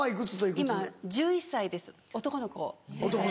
今１１歳です男の子１人。